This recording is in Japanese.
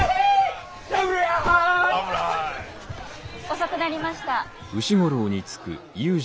遅くなりました。